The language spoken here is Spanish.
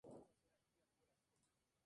La asesora de este proyecto es la Profª.